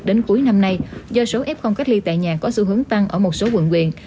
đến cuối năm nay do số f cách ly tại nhà có sự hướng tăng ở một số quận quyền